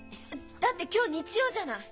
だって今日日曜じゃない！